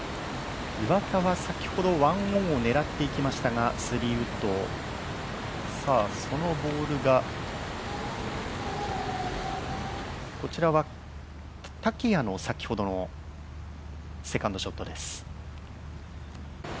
岩田は先ほど１オンを狙っていきましたが３ウッドを、そのボールが、こちらは竹谷の先ほどのセカンドショットです。